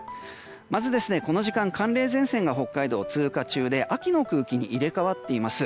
まずこの時間、寒冷前線が北海道を通過中で秋の空気に入れ替わっています。